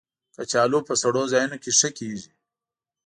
کچالو په سړو ځایونو کې ښه کېږي